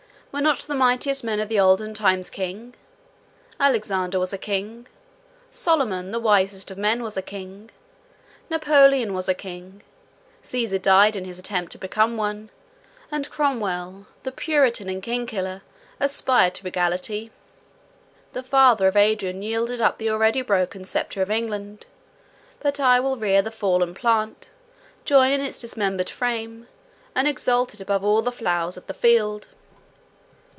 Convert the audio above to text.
Were not the mightiest men of the olden times kings? Alexander was a king; Solomon, the wisest of men, was a king; Napoleon was a king; Cæsar died in his attempt to become one, and Cromwell, the puritan and king killer, aspired to regality. The father of Adrian yielded up the already broken sceptre of England; but I will rear the fallen plant, join its dismembered frame, and exalt it above all the flowers of the field.